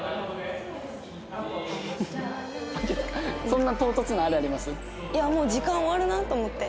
そんな唐突なあれあります？